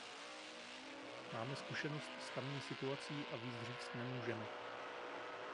Máme zkušenost s tamní situací a víc říct nemůžeme.